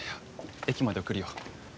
駅まで送るよ。